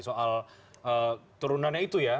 soal turunannya itu ya